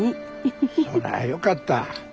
そりゃよかった。